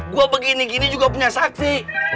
gue begini gini juga punya sakti